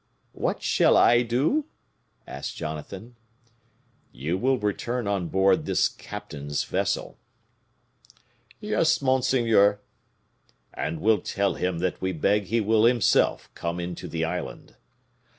"What shall I do?" asked Jonathan. "You will return on board this captain's vessel." "Yes, monseigneur." "And will tell him that we beg he will himself come into the island."